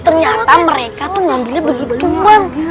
ternyata mereka tuh ngambilnya begitu kan